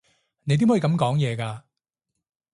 你點可以噉講嘢㗎？